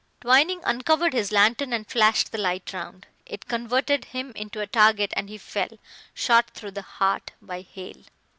Twining uncovered his lantern and flashed the light round. It converted him into a target and he fell, shot through the heart by Hale.